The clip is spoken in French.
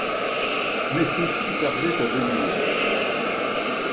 Mais ceux-ci tardaient à venir